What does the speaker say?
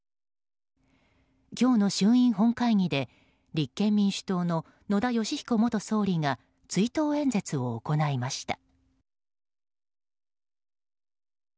今日の衆院本会議で立憲民主党の野田佳彦元総理が追悼演説を行いました。